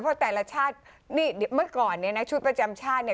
เพราะแต่ละชาตินี่เมื่อก่อนเนี่ยนะชุดประจำชาติเนี่ย